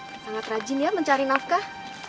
sangat rajin ya mencari nafkah